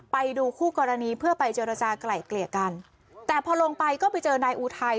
ไปดูคู่กรณีเพื่อไปเจรจากลายเกลี่ยกันแต่พอลงไปก็ไปเจอนายอุทัย